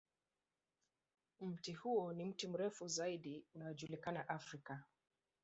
Mti huo ni mti mrefu zaidi unaojulikana Afrika.